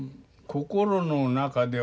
心の中で。